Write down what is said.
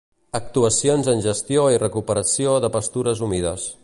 Actuacions en gestió i recuperació de pastures humides.